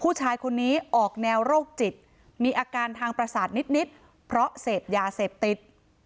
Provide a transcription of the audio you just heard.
ผู้ชายคนนี้ออกแนวโรคจิตมีอาการทางประสาทนิดเพราะเสพยาเสพติด